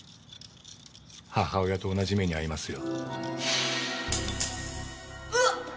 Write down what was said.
母親と同じ目に遭いますよ。